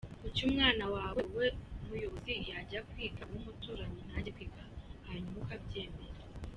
Kuki umwana wawe wowe muyobozi yajya kwiga, uw’umuturanyi ntajye kwiga hanyuma ukabyemera?